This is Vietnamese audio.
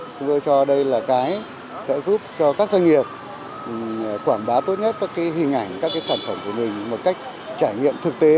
chúng tôi cho đây là cái sẽ giúp cho các doanh nghiệp quảng bá tốt nhất các hình ảnh các sản phẩm của mình một cách trải nghiệm thực tế